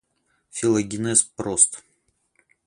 Филогенез прост.